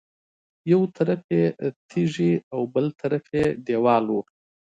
یو طرف یې تیږې او بل طرف یې دېوال و.